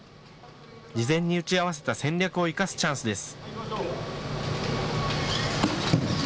事前に打ち合わせた戦略を生かすチャンスです。